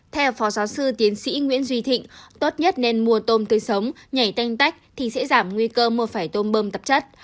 theo phó giáo sư tiến sĩ nguyễn duy thịnh tốt nhất nên mua tôm tươi sống nhảy canh tác thì sẽ giảm nguy cơ mua phải tôm bơm tập chất